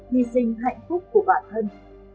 hy sinh hạnh phúc của bản thân